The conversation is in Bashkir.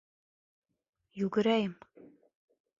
Йүгерәйем!